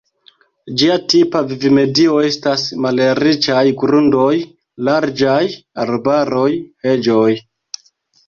Ĝia tipa vivmedio estas malriĉaj grundoj, larĝaj arbaroj, heĝoj.